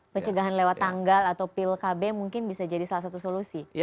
pencegahan lewat tanggal atau pil kb mungkin bisa jadi salah satu solusi